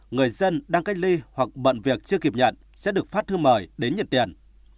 người dân đang cách ly hoặc bận việc chưa kịp nhận sẽ được phát thư mời đến nhận tiền